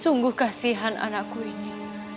sungguh kasihan anakku ini